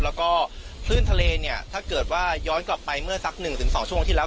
แล้วก็คลื่นทะเลเนี่ยถ้าเกิดว่าย้อนกลับไปเมื่อสัก๑๒ช่วงที่แล้ว